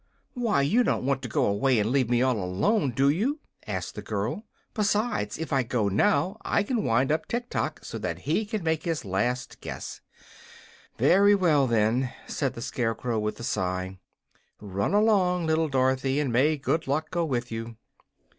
"Why, you don't want to go away and leave me all alone, do you?" asked the girl. "Besides, if I go now I can wind up Tiktok, so that he can make his last guess." "Very well, then," said the Scarecrow, with a sigh. "Run along, little Dorothy, and may good luck go with you!"